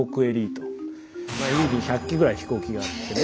家に１００機ぐらい飛行機があってね。